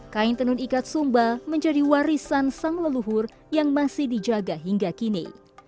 kain tenun ikat sumba menjadi warisan sang leluhur yang masih dijaga hingga kini